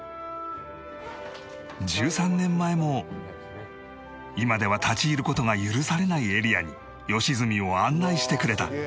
１３年前も今では立ち入る事が許されないエリアに良純を案内してくれた